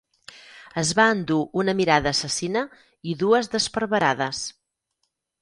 Es va endur una mirada assassina i dues d'esparverades.